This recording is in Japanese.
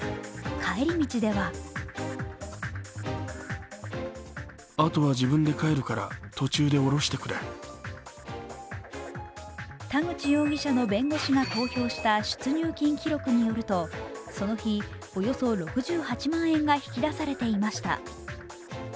帰り道では田口容疑者の弁護士が公表した出入金記録によるとその日、およそ６８万円が引き出されていました。